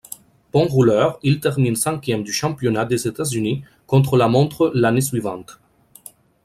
Bon rouleur, il termine cinquième du championnat des États-Unis contre-la-montre l'année suivante.